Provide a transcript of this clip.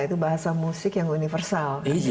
itu bahasa musik yang universal